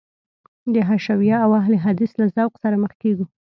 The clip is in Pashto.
د حشویه او اهل حدیث له ذوق سره مخ کېږو.